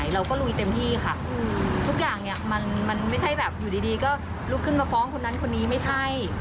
อยู่ดีก็ลุกขึ้นมาฟ้องคนนั้นคนนี้ไม่ใช่